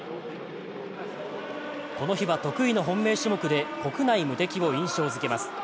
この日は得意の本命種目で国内無敵を印象づけます。